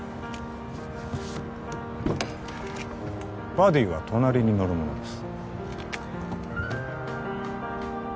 バディは隣に乗るものです